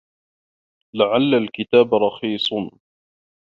لَعَلَّ الْكِتَابَ رَخِيصٌ.